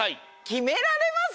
きめられます？